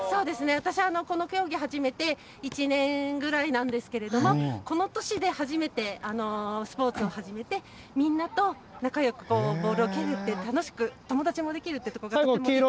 私、この競技始めて１年ぐらいなんですけれども、この年で初めてスポーツを始めて、みんなと仲よくこう、ボールを蹴るって楽しく、友達もできるというところが。